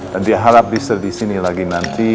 dia harap bisa di sini lagi nanti